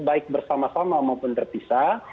baik bersama sama maupun terpisah